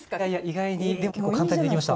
意外にでも結構簡単にできました。